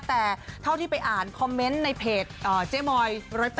แต่เท่าที่ไปอ่านคอมเมนต์ในเพจเจ๊มอย๑๐